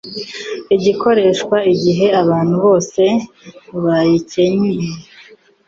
ikoreshwa igihe abantu bose bayikenye